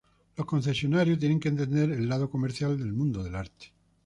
Los concesionarios tienen que entender el lado comercial del mundo del arte.